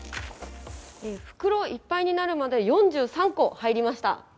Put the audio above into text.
袋いっぱいになるまで４３個入りました。